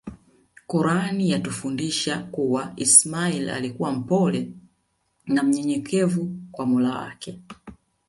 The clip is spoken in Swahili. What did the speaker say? Quran yatufahamisha kuwa ismail alikua mpole na mnyenyekevu kwa mola wake